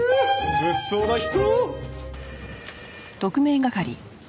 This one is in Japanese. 物騒な人！